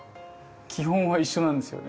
基本は一緒なんですよね。